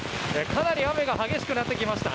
かなり雨が激しくなってきました。